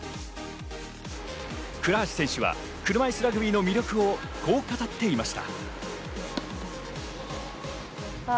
倉橋選手は車いすラグビーの魅力をこう語っていました。